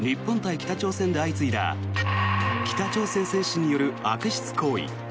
北朝鮮で相次いだ北朝鮮選手による悪質行為。